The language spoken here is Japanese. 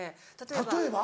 例えば？